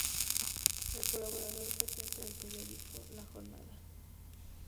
Es colaborador frecuente del periódico La Jornada.